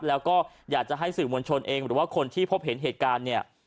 แล้วก็อยากจะให้สื่อมวลชนเองหรือว่าคนที่พบเห็นเหตุการณ์เนี่ย